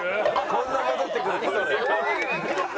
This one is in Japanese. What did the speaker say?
こんな戻ってくる事。